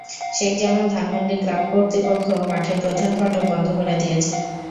Sheikh Jamal Dhanmondi club কর্তৃপক্ষ মাঠের প্রধান ফটক বন্ধ করে দিয়েছে।